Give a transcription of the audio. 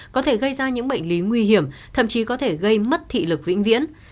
có thể gây ra những bệnh lý nguy hiểm thậm chí có thể gây mất thị lực vĩnh viễn